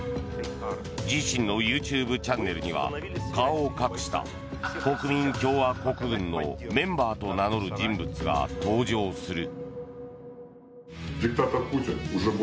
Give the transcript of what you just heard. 自身のＹｏｕＴｕｂｅチャンネルには顔を隠した、国民共和国軍のメンバーと名乗る人物が登場する。